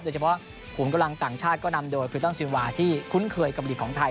แต่เฉพาะขุมกำลังต่างชาติก็นำโดยคือตั้งสินวาที่คุ้นเคยกับอีกของไทย